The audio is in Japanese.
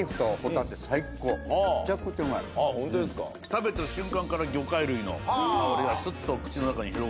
食べた瞬間から魚介類の香りがすっと口の中に広がります。